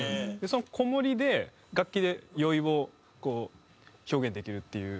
そのこもりで楽器で酔いを表現できるっていう。